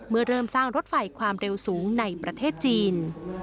เมื่อเริ่มสร้างรถไฟความเร็วสูงในประเทศจีน